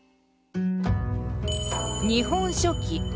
「日本書紀」。